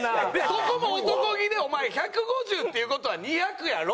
そこも男気でお前「１５０っていう事は２００やろ？」